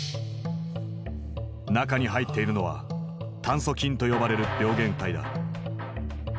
中に入っているのは炭疽菌と呼ばれる病原体だ。